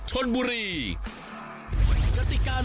ข้าเป็นผู้โชคดีมาลุ้นกัน